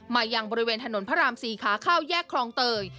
ยังบริเวณถนนพระราม๔ขาเข้าแยกคลองเตย